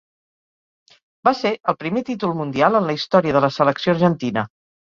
Va ser el primer títol mundial en la història de la selecció argentina.